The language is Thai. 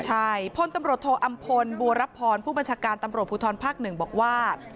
ใช่พลตำรวจโทอำพลบัวรับพรผู้บัญชาการตำรวจภูทรภาค๑บอกว่า